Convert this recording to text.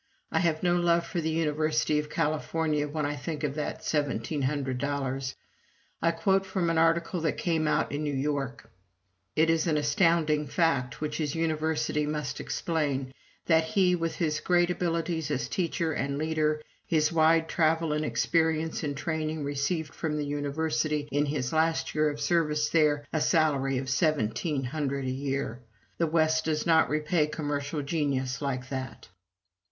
I have no love for the University of California when I think of that $1700. (I quote from an article that came out in New York: "It is an astounding fact which his University must explain, that he, with his great abilities as teacher and leader, his wide travel and experience and training, received from the University in his last year of service there a salary of $1700 a year! The West does not repay commercial genius like that.")